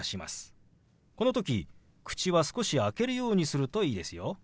この時口は少し開けるようにするといいですよ。